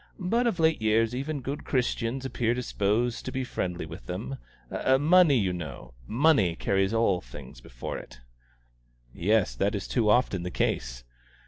But of late years even good Christians appear disposed to be friendly with them. Money, you know money carries all things before it." "Yes, that is too often the case."